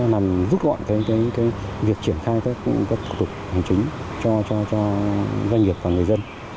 đã giúp gọn việc triển khai các thủ tục hành chính cho doanh nghiệp và người dân